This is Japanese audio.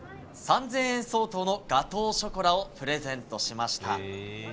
３０００円相当のガトーショコラをプレゼントしました。